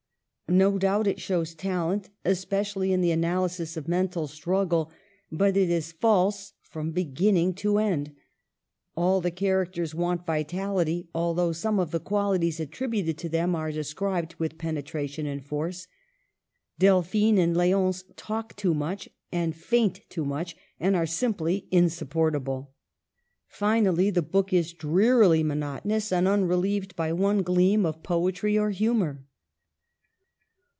No doubt it shows talent, especially in the analysis of mental struggle ; but it is false from beginning to end. All the characters want vitality, although some of the qualities attributed to them are described with penetration and force. Delphine and L6once talk too much, and faint too much, and are simply insupportable. Finally, the book is drearily monotonous and unrelieved by one gleam of poetry or humor.